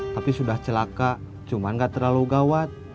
tapi sudah celaka cuma gak terlalu gawat